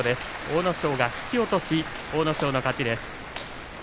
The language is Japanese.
阿武咲が引き落とし阿武咲の勝ちです。